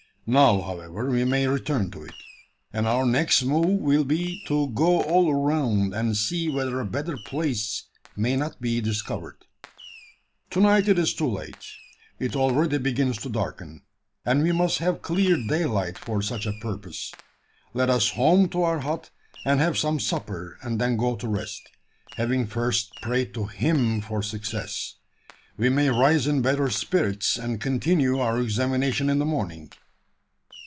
Now, however, we may return to it; and our next move will be to go all round, and see whether a better place may not be discovered. To night it is too late. It already begins to darken; and we must have clear daylight for such a purpose. Let us home to our hut, and have some supper and then go to rest having first prayed to Him for success. We may rise in better spirits, and continue our examination in the morning."